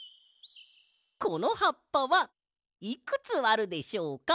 このはっぱはいくつあるでしょうか？